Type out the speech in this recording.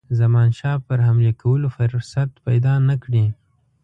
زمانشاه پر حملې کولو فرصت پیدا نه کړي.